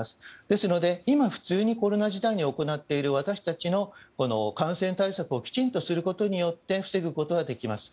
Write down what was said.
ですので、今、普通にコロナ時代に行っている私たちの感染対策をきちんとすることによって防ぐことができます。